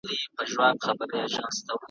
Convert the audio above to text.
چي پر غولي د ماتم ووايی ساندي ,